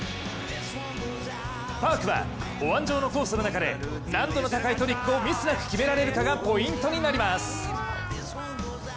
パークはおわん状のコースの中で難度の高いトリックをミスなく決められるかがポイントになります。